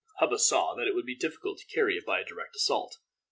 Hubba saw that it would be difficult to carry it by a direct assault.